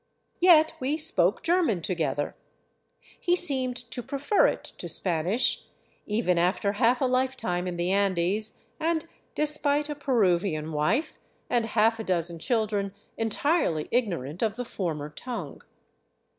Yet we spoke German together. He seemed to prefer it to Spanish, even after half a lifetime in the Andes and despite a Peruvian wife and half a dozen children entirely ig norant of the former tongue.